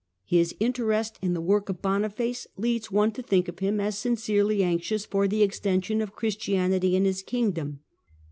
His interest in the work of Boniface leads one to think of him as sincerely anxious for the extension of Christianity in his kingdom.